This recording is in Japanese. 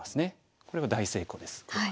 これは大成功です黒は。